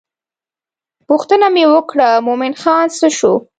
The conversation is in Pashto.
پوښتنه یې وکړه مومن خان څه شو.